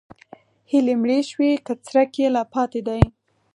هیلې مړې شوي که څرک یې لا پاتې دی؟